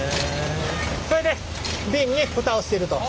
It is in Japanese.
それで瓶に蓋をしていると。